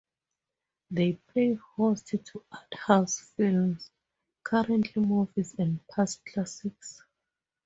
They play host to art house films, current movies and past classics.